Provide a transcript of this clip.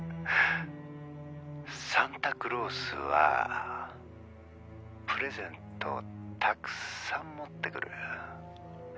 ☎サンタクロースはプレゼントをたくさん持ってくる。